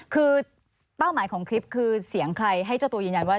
คือเป้าหมายของคลิปคือเสียงใครให้เจ้าตัวยืนยันว่า